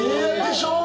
でしょう？